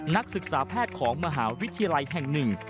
นักศึกษาแพทย์ของมหาวิทยาลัยแห่งหนึ่ง